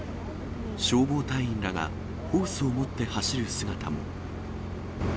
消防隊員らがホースを持って走る姿も。